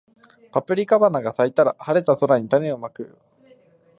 パプリカ花が咲いたら、晴れた空に種をまこう